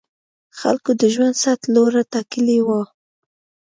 خلکو د ژوند سطح لوړه ټاکلې وه.